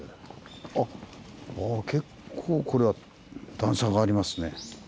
あっ結構これは段差がありますね。